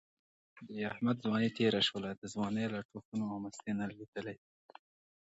د احمد ځواني تېره شوله، د ځوانۍ له ټوپونو او مستۍ نه لوېدلی دی.